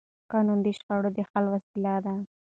قانون د شخړو د حل وسیله ده